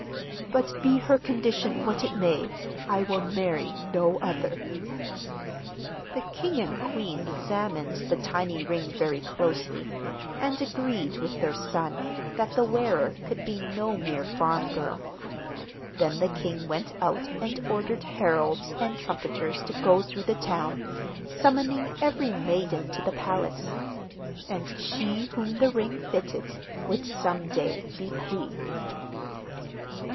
But be her condition what it may, I will marry no other.' The king and queen examined the tiny ring very closely, and agreed, with their son, that the wearer could be no mere farm girl. Then the king went out and ordered heralds and trumpeters to go through the town, summoning every maiden to the palace. And she whom the ring fitted would some day be queen.